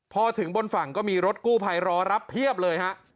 พอถึงบนฝั่งก็มีรถกู้ภัยรอรับเพียบเลยฮะ